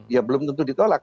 ya belum tentu ditolak